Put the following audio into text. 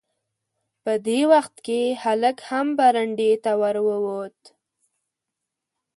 په دې وخت کې هلک هم برنډې ته ور ووت.